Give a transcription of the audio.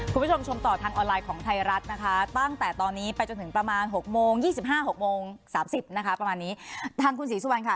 คุณผู้ชมชมต่อทางออนไลน์ของไทยรัฐนะคะตั้งแต่ตอนนี้ไปจนถึงประมาณหกโมง๒๕๖โมงสามสิบนะคะประมาณนี้ทางคุณศรีสุวรรณค่ะ